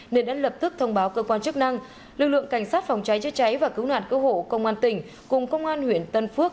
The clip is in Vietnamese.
nên đã lập tức thông báo cơ quan chức năng lực lượng cảnh sát phòng cháy chữa cháy và cứu nạn cứu hộ công an tỉnh cùng công an huyện tân phước